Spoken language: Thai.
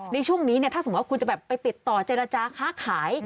ในช่วงนี้เนี่ยถ้าสมมุติว่าคุณจะแบบไปติดต่อเจรจาค้าขาย